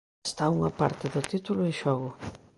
Está unha parte do título en xogo.